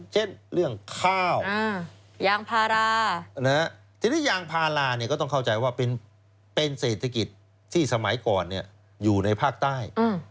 เช่นเรื่องข้าวยางพาราทีนี้ยางพาราก็ต้องเข้าใจว่าเป็นเศรษฐกิจที่สมัยก่อนอยู่ในภาคใต้